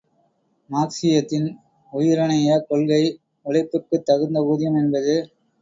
மார்க்சீயத்தின் உயிரனைய கொள்கை, உழைப்புக்குத் தகுந்த ஊதியம் என்பது.